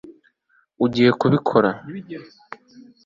ugiye kubikora